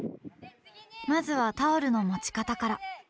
まずはタオルの持ち方から。